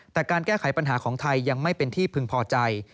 แต่การแก้ไขปัญหาของไทยยังไม่เป็นที่พึงพอใจ